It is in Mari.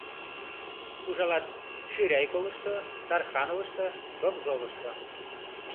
Ужалат Ширяйковышто, Тархановышто, Гомзовышто.